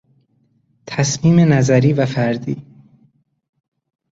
تصمیم نظری و فردی